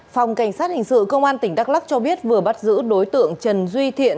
phòng cảnh sát hình sự công an tỉnh đắk lắc cho biết vừa bắt giữ đối tượng trần duy thiện